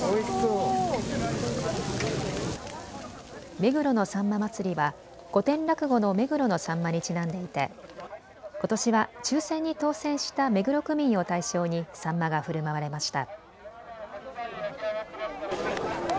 目黒のさんま祭は古典落語の目黒のさんまにちなんでいてことしは抽せんに当せんした目黒区民を対象にサンマがふるまわれました。